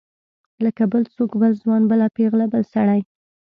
لکه بل څوک بل ځوان بله پیغله بل سړی.